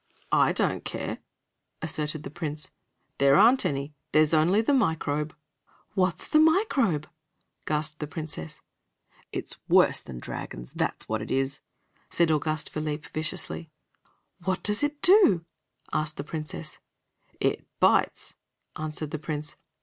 "I don't care," asserted the Prince. "There aren't any there's only the Microbe." "What's the Microbe?" gasped the Princess. "It's worse than dragons, that's what it is," said Auguste Philippe viciously. "What does it do?" asked the Princess. "It bites," answered the Prince.